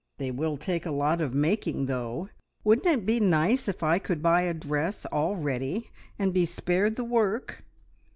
They will take a lot of making, though. Wouldn't it be nice if I could buy a dress all ready, and be spared the work?"